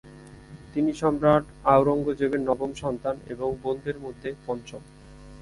তিনি সম্রাট আওরঙ্গজেবের নবম সন্তান এবং বোনদের মধ্যে পঞ্চম।